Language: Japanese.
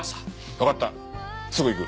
わかったすぐ行く。